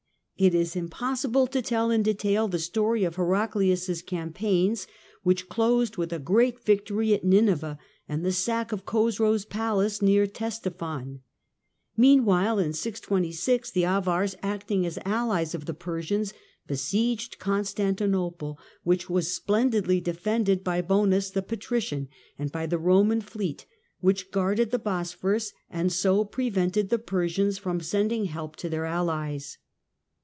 It is impossible to tell in detail the story of Heraclius' campaigns, which closed with a great victory at Nineveh and the sack of Chosroes' palace near Ctesiphon. Meanwhile, in 626, the Avars, acting as allies of the Persians, besieged Constantinople, which was splendidly defended by Bonus the patrician and by the Roman fleet, which guarded the Bosphorus and so prevented the Persians from sending help to their allies.